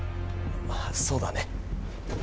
ああそうだね。